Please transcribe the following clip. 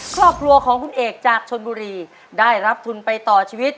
ครอบครัวของคุณเอกจากชนบุรีได้รับทุนไปต่อชีวิต